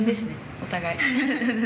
お互い。